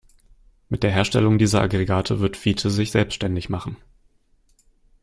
Mit der Herstellung dieser Aggregate wird Fiete sich selbstständig machen.